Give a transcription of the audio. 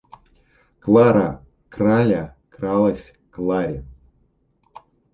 Клара-краля кралась к Ларе.